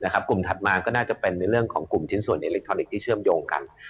ถัดมาก็น่าจะเป็นในเรื่องของกลุ่มชิ้นส่วนอิเล็กทรอนิกส์ที่เชื่อมโยงกัน